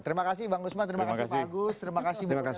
terima kasih bang usman terima kasih pak agus